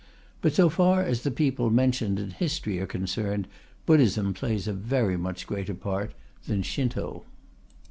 But so far as the people mentioned in history are concerned, Buddhism plays a very much greater part than Shinto.